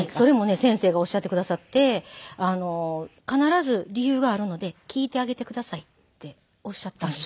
先生がおっしゃってくださって「必ず理由があるので聞いてあげてください」っておっしゃったんです。